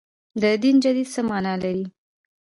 د دین تجدید څه معنا لري.